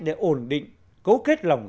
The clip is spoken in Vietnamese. để ổn định cấu kết lòng dân